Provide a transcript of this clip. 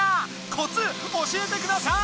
コツ教えてください！